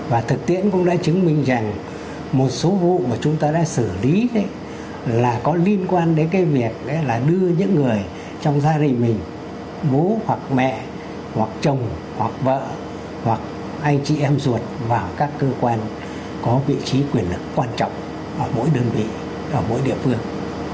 và thực tiễn cũng đã chứng minh rằng một số vụ mà chúng ta đã xử lý là có liên quan đến cái việc là đưa những người trong gia đình mình bố hoặc mẹ hoặc chồng hoặc vợ hoặc anh chị em ruột vào các cơ quan có vị trí quyền lực quan trọng ở mỗi đơn vị ở mỗi địa phương